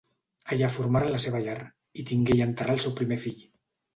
Allà formaren la seva llar; hi tingué i hi enterrà el seu primer fill.